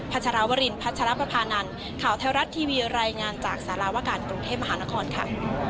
พรบข่าวแท้วรัฐทีวีรายงานจากสารวการปรุงเทพมหานครค่ะ